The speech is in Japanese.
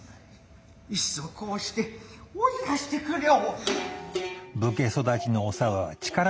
いっそこうして追い出してくれよう。